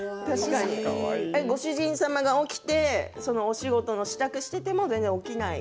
ご主人様が起きてお仕事の支度をしても起きない？